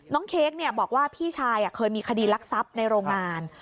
เค้กบอกว่าพี่ชายเคยมีคดีรักทรัพย์ในโรงงาน